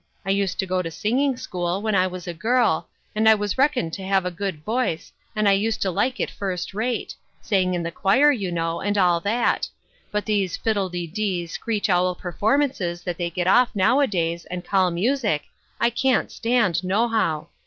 I used to go to singing school, when I was a girl, and I was reckoned to have a good voice, and I used to like it first rate — sang in the choir, you know, and all that ; but these fiddle dee dee, screech owl performances that they get off nowadays, and call music, I can't stand, nohow.